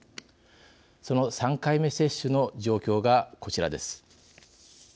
その３回目接種の状況がこちらです。